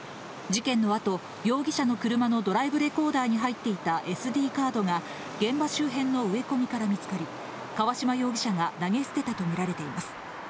事件のあと、容疑者の車のドライブレコーダーに入っていたＳＤカードが現場周辺の植え込みから見つかり、川島容疑者が投げ捨てたと見られています。